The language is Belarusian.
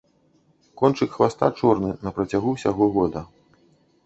Кончык хваста чорны на працягу ўсяго года.